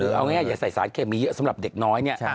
คือเอาง่ายอย่าใส่สารเคมีเยอะสำหรับเด็กน้อยเนี่ย